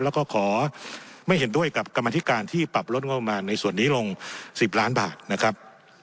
แล้วก็ขอไม่เห็นด้วยกับกรรมธิการที่ปรับลดงบประมาณในส่วนนี้ลง๑๐ล้านบาทนะครับ